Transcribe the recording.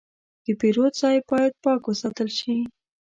د پیرود ځای باید پاک وساتل شي.